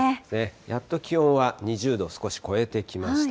やっと気温は２０度を少し超えてきました。